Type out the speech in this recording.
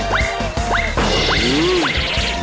เก็บมานี่